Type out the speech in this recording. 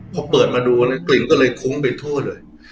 พอเปิดมาดูเนี้ยกลิ่นก็เลยคงไปทโธ่เลย